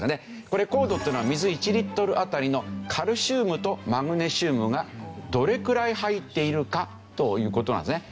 これ硬度というのは水１リットル当たりのカルシウムとマグネシウムがどれくらい入っているかという事なんですね。